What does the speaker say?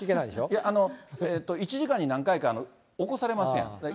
いや、１時間に何回か起こされますやん。